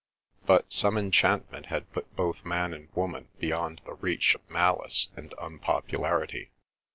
But some enchantment had put both man and woman beyond the reach of malice and unpopularity.